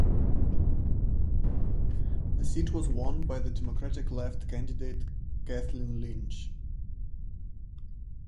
The seat was won by the Democratic Left candidate Kathleen Lynch.